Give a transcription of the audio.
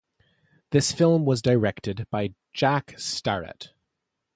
This film was directed by Jack Starrett.